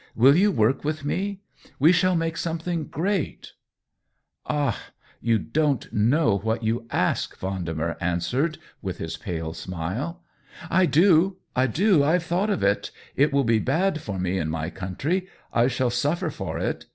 Will you work with me ? We shall make something great !"" Ah, you don't know what you ask !" Vendemer answered, with his pale smile. " I do— I do ; I Ve thought of it. It will be bad for me in my country ; I shall suffer for it.